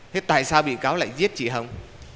thế tại sao bị cáo lại giết chị hồng